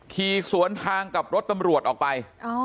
ขี่สวนทางกับรถตำรวจออกไป